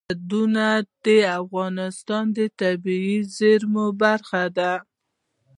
سرحدونه د افغانستان د طبیعي زیرمو برخه ده.